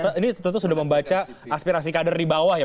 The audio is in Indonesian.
ini tentu sudah membaca aspirasi kader di bawah ya